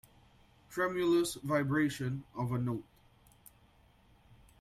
Tremulous vibration of a note.